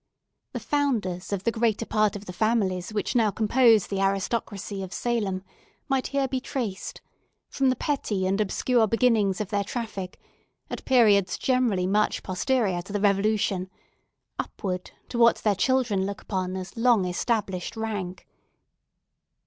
The founders of the greater part of the families which now compose the aristocracy of Salem might here be traced, from the petty and obscure beginnings of their traffic, at periods generally much posterior to the Revolution, upward to what their children look upon as long established rank.